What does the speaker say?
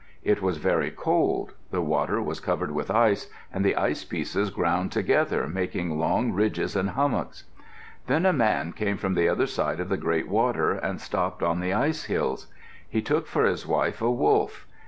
It was very cold. The water was covered with ice, and the ice pieces ground together, making long ridges and hummocks. Then a man came from the other side of the great water and stopped on the ice hills. He took for his wife a wolf.